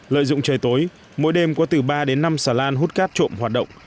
lợi dụng trời tối mỗi đêm có từ ba đến năm xà lan hút cát trộm hoạt động